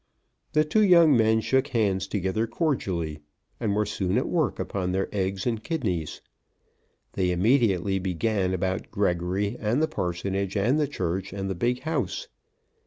The two young men shook hands together cordially, and were soon at work upon their eggs and kidneys. They immediately began about Gregory and the parsonage and the church, and the big house.